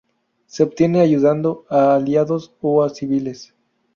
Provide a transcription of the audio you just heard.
Se obtiene ayudando a aliados o a civiles.